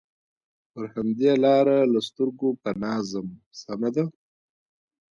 پر همدې لاره له سترګو پناه ځم، سمه ده.